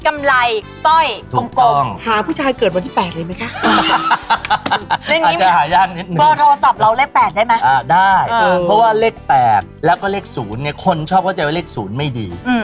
ไม่ได้เพราะว่าเลข๘แล้วก็เลข๐เนี่ยคนชอบเข้าใจว่าเลข๐ไม่ดี